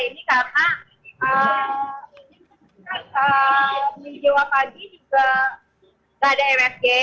ini kan jiwa pagi juga gak ada msg